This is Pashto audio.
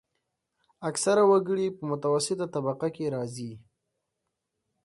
اکثره وګړي په متوسطه طبقه کې راځي.